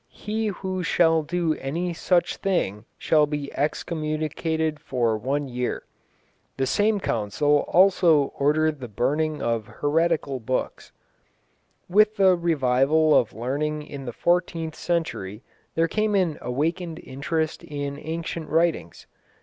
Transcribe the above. He who shall do any such thing shall be excommunicated for one year." The same Council also ordered the burning of heretical books. The Codex Sinaiticus, now at St Petersburg. With the revival of learning in the fourteenth century there came an awakened interest in ancient writings.